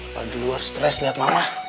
padahal luar stres liat mama